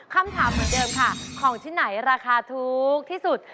คำถามเหมือนเดิมค่ะของที่ไหนราคาถูกที่สุด